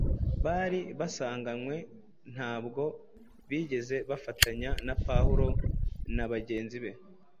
bari basanganywe, ntabwo bigeze bafatanya na Pawulo na bagenzi be.